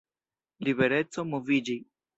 Libereco moviĝi.